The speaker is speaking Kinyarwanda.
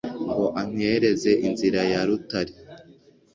ngo antereze inzira ya rutare